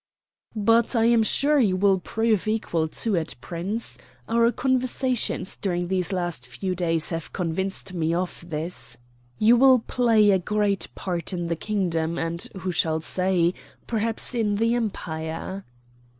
"But I am sure you will prove equal to it, Prince. Our conversations during these last few days have convinced me of this. You will play a great part in the kingdom and who shall say? perhaps in the Empire."